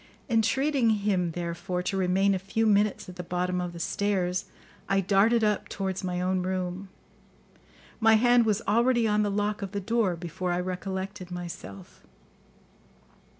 Entreating him, therefore, to remain a few minutes at the bottom of the stairs, I darted up towards my own room. My hand was already on the lock of the door before I recollected myself.